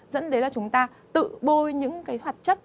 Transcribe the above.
dẫn đến là chúng ta tự bôi những cái hoạt chất